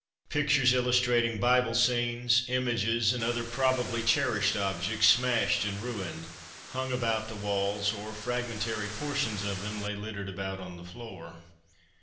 Pictures illustrating Bible scenes, images, and other probably cherished objects, smashed and ruined, hung about the walls, or fragmentary portions of them lay littered about on the floor.